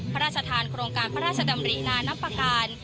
พระราชทานโครงการพระราชดำรินานับประการ